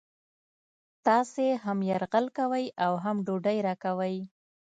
تاسې هم یرغل کوئ او هم ډوډۍ راکوئ